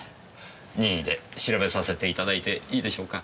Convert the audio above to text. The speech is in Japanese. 任意で調べさせて頂いていいでしょうか？